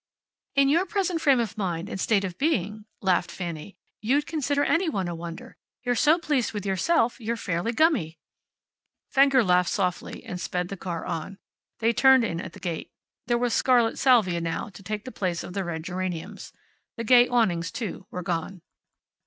"In your present frame of mind and state of being," laughed Fanny, "you'd consider any one a wonder. You're so pleased with yourself you're fairly gummy." Fenger laughed softly and sped the car on. They turned in at the gate. There was scarlet salvia, now, to take the place of the red geraniums. The gay awnings, too, were gone.